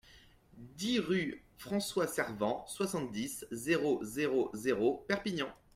dix rue François Servent, soixante-six, zéro zéro zéro, Perpignan